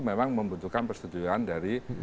memang membutuhkan persetujuan dari